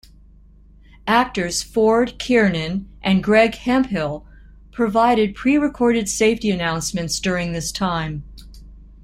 Actors Ford Kiernan and Greg Hemphill provided pre-recorded safety announcements during this time.